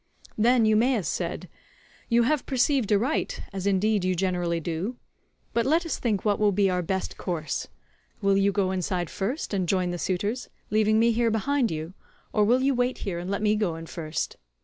Then Eumaeus said, "You have perceived aright, as indeed you generally do; but let us think what will be our best course. Will you go inside first and join the suitors, leaving me here behind you, or will you wait here and let me go in first?